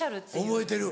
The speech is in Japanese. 覚えてる。